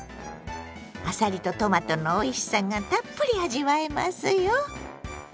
あさりとトマトのおいしさがたっぷり味わえますよ。